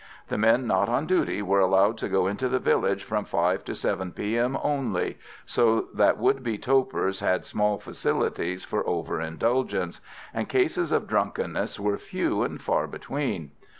The men not on duty were allowed to go into the village from 5 to 7 P.M. only, so that would be topers had small facilities for over indulgence, and cases of drunkenness were few and far between.